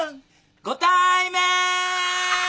ご対面。